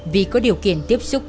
vì có điều kiện tiếp xúc